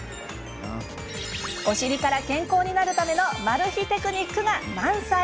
お尻から健康になるためのマル秘テクニックが満載！